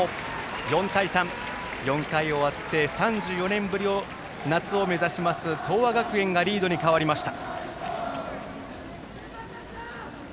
４対３、４回を終わって３４年ぶりの夏を目指します東亜学園がリードに変わりました。